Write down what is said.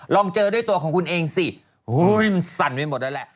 ลองเจอด้วยตัวของคุณเองสิมันสั่นไปหมดแล้วแหละ